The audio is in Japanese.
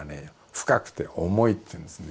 深くて重いっていうんですね。